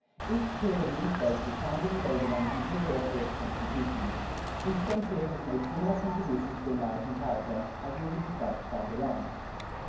Each tier of new States has found in the older ones material for its constitutions.[10:3] Each frontier has made similar contributions to American character, as will be discussed farther on.